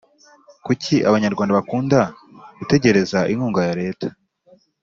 Kuki abanyarwanda bakunda gutegereza inkunga ya leta